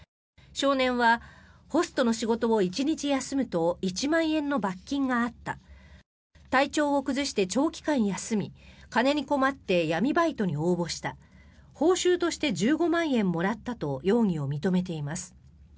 少年はホストの仕事を１日休むと１万円の罰金があった体調を崩して長期間休み金に困って闇バイトに応募した報酬として１５万円もらったと容疑を認めています。